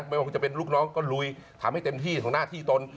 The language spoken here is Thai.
ไม่ว่าจะเป็นลูกน้องก็ลุยทำให้เต็มที่ของหน้าที่ตน